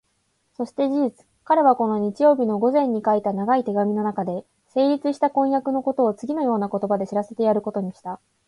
そして事実、彼はこの日曜日の午前に書いた長い手紙のなかで、成立した婚約のことをつぎのような言葉で知らせてやることにした。